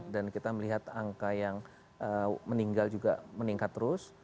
dan kita melihat angka yang meninggal juga meningkat terus